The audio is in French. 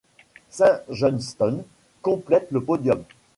Saint Johnstone complète le podium.